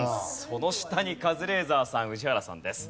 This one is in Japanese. その下にカズレーザーさん宇治原さんです。